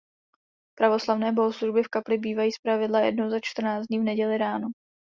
Pravoslavné bohoslužby v kapli bývají zpravidla jednou za čtrnáct dní v neděli ráno.